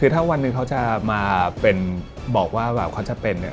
ถ้ามาบอกว่าเขาจะเป็น